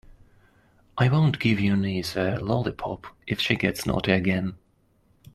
I won't give your niece a lollipop if she gets naughty again.